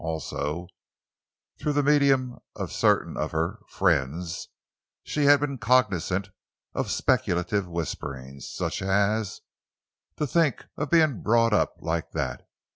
Also—through the medium of certain of her "friends," she had become cognizant of speculative whisperings, such as: "To think of being brought up like that?